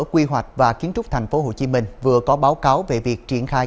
quy hoạch và kiến trúc thành phố hồ chí minh vừa có báo cáo về việc triển khai